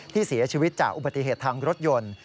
ที่เสียชีวิตจากอุบัติเหตุทางรถยนต์